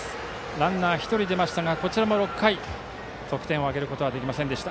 ランナー、１人が出ましたがこちらも６回得点を挙げることはできませんでした。